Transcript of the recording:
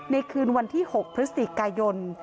คืนวันที่๖พฤศจิกายน